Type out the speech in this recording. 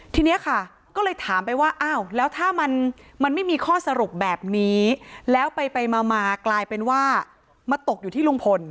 ทีนี้ค่ะก็เลยถามไปว่าอ้าวแล้วถ้ามันไม่มีข้อสรุปแบบนี้แล้วไปมากลายเป็นว่ามาตกอยู่ที่ลุงพล